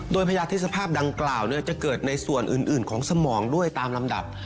โดยพญาเทศภาพดังกล่าวจะเกิดในส่วนอื่นของสมองด้วยตามลำดับ